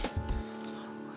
raya udah tau